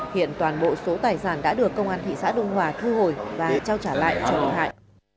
hiện toàn bộ số tài sản đã được công an thị xã đông hòa thu hồi và trao trả lại cho bị hại